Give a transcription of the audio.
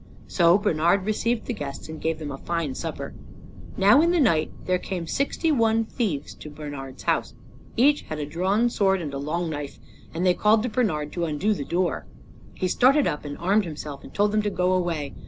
So Bernard received the guests and gave them a fine supper. Now in the night there came sixty one thieves to Bernard's house. Each had a drawn sword and a long knife, and they called to Bernard to undo the door. He started up and armed himself, and told them to go away.